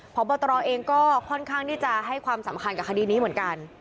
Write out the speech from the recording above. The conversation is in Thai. พบตรเองก็ค่อนข้างที่จะให้ความสำคัญกับคดีนี้เหมือนกัน